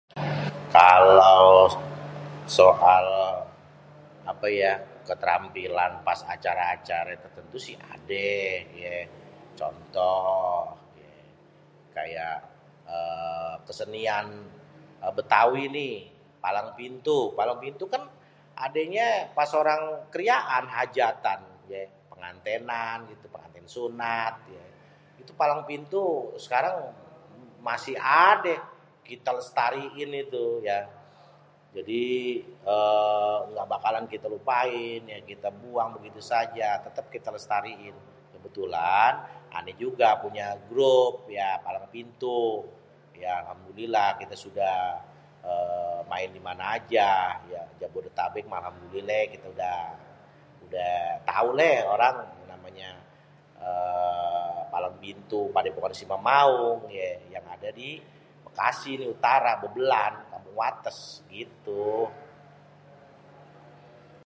kalao soal apé ya keterampilan pas acara-acara itusi blom adé contoh kesenian betawi nih palang pintu kan adénya pas orang kriaan hajatan pengantén gitu pengantén sunat itu palang pintu sekarang masih ada kita lestariin itu ya jadi éngga bakalan kita lupain yang kita éngga buang bégitu aja tétép kita lestariin kebetulan adé juga punya grup ya palang pintu kita udah main di mana aja ya jabodetabek Alham dulillah udah tau nih orang namanya yang ada di bekasi utara kalao soal apé ya keterampilan pas acara bekasi utara watés gitu